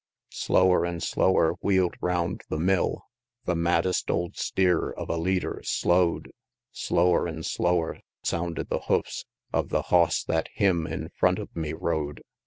Slower an' slower wheel'd round the "mill"; The maddest old steer of a leader slow'd; Slower an' slower sounded the hoofs Of the hoss that HIM in front of me rode.